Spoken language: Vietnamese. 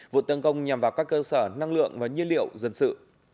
vụ tấn công nhằm vào các cơ sở năng lượng và nhiên liệu dân sự